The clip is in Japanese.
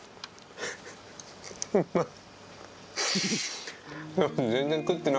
うまい。